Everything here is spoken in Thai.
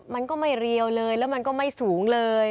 มันก็ไม่เรียวเลยแล้วมันก็ไม่สูงเลย